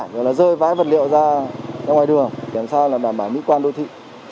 gọi là rơi vãi vật liệu ra ngoài đường để làm sao đảm bảo mỹ quan đô thị